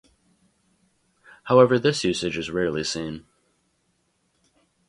However this usage is rarely seen.